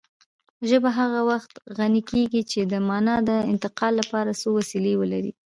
ژبه هغه وخت غني کېږي چې د مانا د انتقال لپاره څو وسیلې ولري